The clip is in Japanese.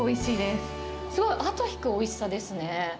すごい後引くおいしさですね。